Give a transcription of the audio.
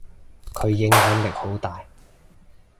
佢影響力好大。